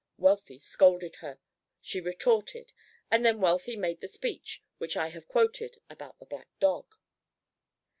Wealthy scolded her, she retorted, and then Wealthy made the speech, which I have quoted, about the black dog.